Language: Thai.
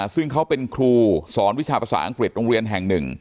ซึ่งเขาเป็นครูสอนวิชาภาษาอังกฤษโรงเรียนแห่งหนึ่ง